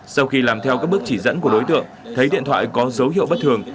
sau khi làm theo các bước chỉ dẫn của đối tượng thấy điện thoại có dấu hiệu bất thường